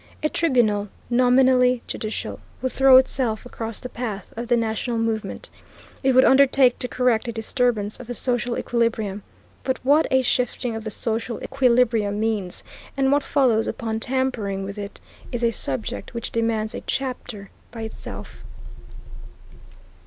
A tribunal, nominally judicial, would throw itself across the path of the national movement. It would undertake to correct a disturbance of the social equilibrium. But what a shifting of the social equilibrium means, and what follows upon tampering with it, is a subject which demands a chapter by itself.